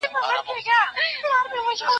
هلک چیغه کړه پر مځکه باندي پلن سو